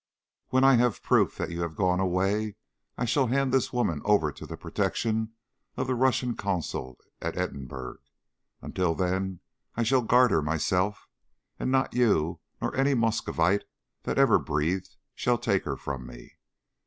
When I have proof that you have gone away I shall hand this woman over to the protection of the Russian Consul at Edinburgh. Until then, I shall guard her myself, and not you, nor any Muscovite that ever breathed, shall take her from me."